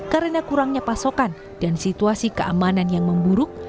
karena kurangnya pasokan dan situasi keamanan yang memburuk